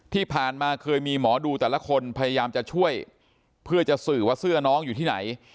ที่ผ่านมาเคยมีหมอดูแต่ละคนพยายามจะช่วยเพื่อจะสื่อว่าเสื้อน้องอยู่ที่ไหน